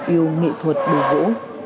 yêu nghị thuật bùi vũ